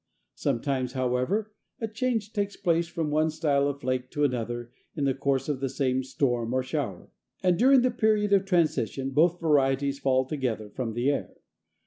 Sometimes, however, a change takes place from one style of flake to another in the course of the same storm or shower, and during the period of transition both varieties fall together from the air.